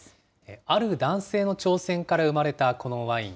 ある男性の挑戦から生まれたこのワイン。